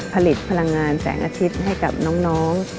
ผลิตพลังงานแสงอาทิตย์ให้กับน้อง